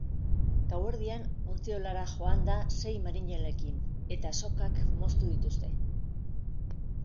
Gauerdian, ontziolara joan da sei marinelekin, eta sokak moztu dituzte.